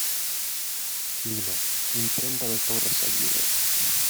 Lima: Imprenta de Torres Aguirre.